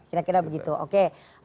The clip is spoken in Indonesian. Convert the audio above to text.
kira kira begitu oke